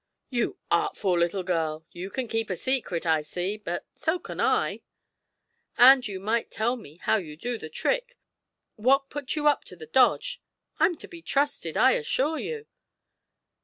'You artful little girl! you can keep a secret, I see, but so can I. And you might tell me how you do the trick. What put you up to the dodge? I'm to be trusted, I assure you.'